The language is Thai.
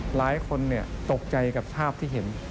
หลายคนตกใจกับภาพที่เห็น